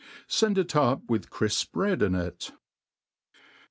Send it up with crifp bread in it.